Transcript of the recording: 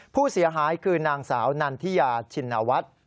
ผู้เสียหายคือนางสาวนันทิยาชินวัฒน์